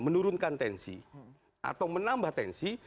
menurunkan tensi atau menambah tensi